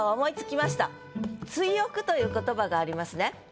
「追憶」という言葉がありますね。